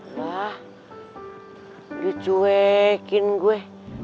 lah dicuekin gue